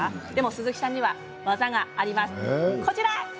鈴木さんには、技があります。